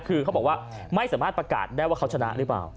คือเขาบอกว่าไม่สามารถประกาศได้ว่าเขาชนะหรือเปล่า